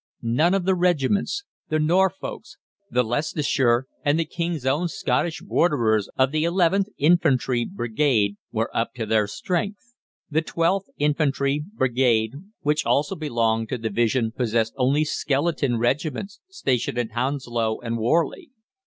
None of the regiments the Norfolks, the Leicestershire, and the King's Own Scottish Borderers of the 11th Infantry Brigade were up to their strength. The 12th Infantry Brigade, which also belonged to the division, possessed only skeleton regiments stationed at Hounslow and Warley.